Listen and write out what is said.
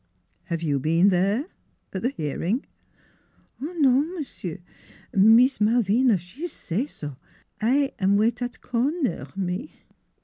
" Have you been there at the hearing? "" Non, m'sieu', Mees Malvina, she say so. I am wait at cornaire me."